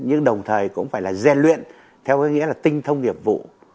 nhưng đồng thời cũng phải là gian luyện theo cái nghĩa là tinh thông nghiệp vụ